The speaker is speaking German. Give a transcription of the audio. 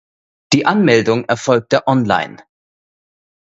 Die Anmeldung erfolgte online.